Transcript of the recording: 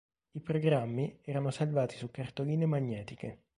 I programmi erano salvati su cartoline magnetiche.